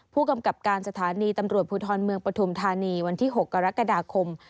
ผู้กำกับการสถานีตำรวจภูทรเมืองปฐุมธานีวันที่๖กรกฎาคม